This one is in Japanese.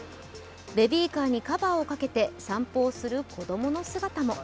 ベビーカーにカバーをかけて散歩をする子供の姿も。